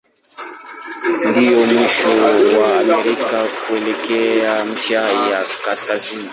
Ndio mwisho wa Amerika kuelekea ncha ya kaskazini.